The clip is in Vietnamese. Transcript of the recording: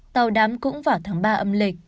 tàu đám cũng vào tháng ba âm lịch